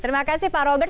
terima kasih pak robert